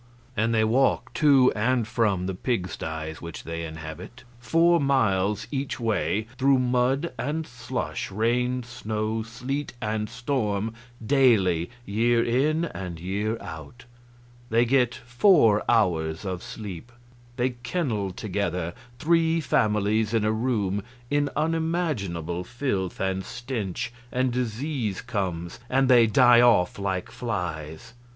And they walk to and from the pigsties which they inhabit four miles each way, through mud and slush, rain, snow, sleet, and storm, daily, year in and year out. They get four hours of sleep. They kennel together, three families in a room, in unimaginable filth and stench; and disease comes, and they die off like flies.